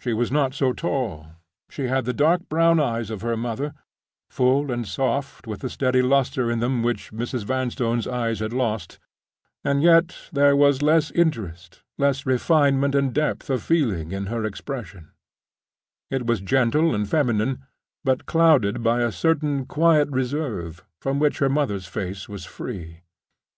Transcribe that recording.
She was not so tall. She had the dark brown eyes of her mother—full and soft, with the steady luster in them which Mrs. Vanstone's eyes had lost—and yet there was less interest, less refinement and depth of feeling in her expression: it was gentle and feminine, but clouded by a certain quiet reserve, from which her mother's face was free.